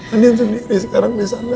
andi sendiri sekarang di sana